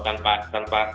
dan juga partner media